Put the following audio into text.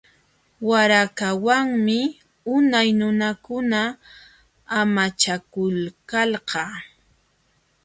Warakawanmi unay nunakuna amachakulkalqa.